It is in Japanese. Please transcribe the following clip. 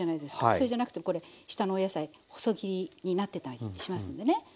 それじゃなくてもこれ下のお野菜細切りになってたりしますんでね。